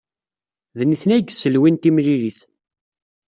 D nitni ay yesselwin timlilit.